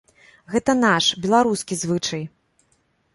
Гэта наш, беларускі звычай.